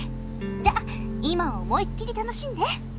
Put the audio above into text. じゃ今を思いっきり楽しんで！